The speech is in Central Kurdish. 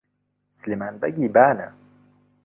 سلێمان بەگی بانە